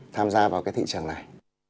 tham gia vào cái thị trường này